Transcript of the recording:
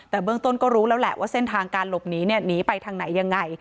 แต่เบื้องต้นก็รู้แล้วแหละว่าเส้นทางการหลบหนีเนี่ยหนีไปทางไหนยังไง